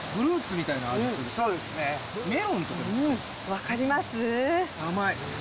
分かります？